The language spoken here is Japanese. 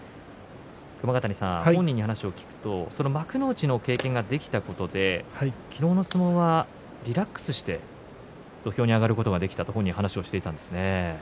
熊ヶ谷さん、本人に話を聞くとその幕内の経験ができたことで昨日の相撲はリラックスして土俵に上がることができたと本人、話をしていたんですね。